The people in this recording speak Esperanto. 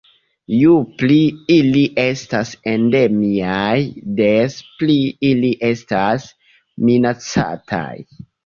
Ju pli ili estas endemiaj, des pli ili estas minacataj.